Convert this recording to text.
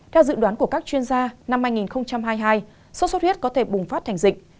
theo dự đoán của các chuyên gia năm hai nghìn hai mươi hai sốt xuất huyết có thể bùng phát thành dịch